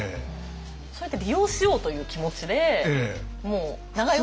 それって利用しようという気持ちでもう長慶を。